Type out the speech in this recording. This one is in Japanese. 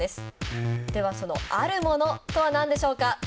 ではそのある物とは何でしょうか？